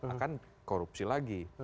akan korupsi lagi